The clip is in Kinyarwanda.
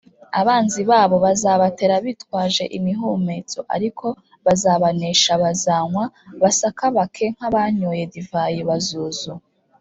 Abanzi babo bazabatera bitwaje imihumetso ariko bazabanesha b Bazanywa c basakabake nk abanyoye divayi Bazuzu